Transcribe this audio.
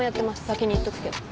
先に言っとくけど。